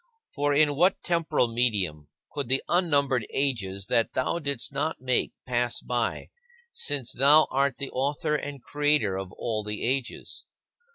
For in what temporal medium could the unnumbered ages that thou didst not make pass by, since thou art the Author and Creator of all the ages?